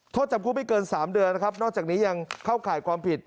โทษจำคุกไม่เกิน๓เดือนนะครับนอกจากนี้ยังเข้าข่ายความผิด